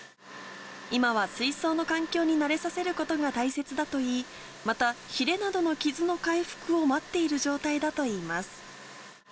今は水槽の環境に慣れさせることが大切だといい、また、ひれなどの傷の回復を待っている状態だといいます。